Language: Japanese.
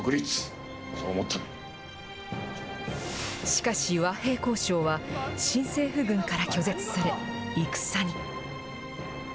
しかし和平交渉は、新政府軍から拒絶され、戦に。